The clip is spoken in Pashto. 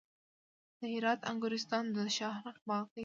د هرات انګورستان د شاهرخ باغ دی